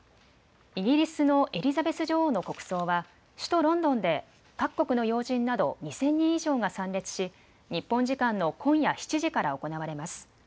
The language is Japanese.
イギリスのエリザベス女王の国葬は首都ロンドンで各国の要人など２０００人以上が参列し日本時間の今夜７時から行われます。